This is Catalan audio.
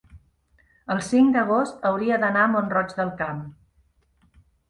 el cinc d'agost hauria d'anar a Mont-roig del Camp.